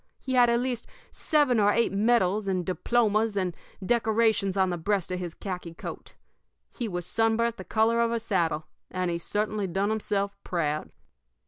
He had at least seven or eight medals and diplomas and decorations on the breast of his khaki coat; he was sunburnt the color of a saddle, and he certainly done himself proud.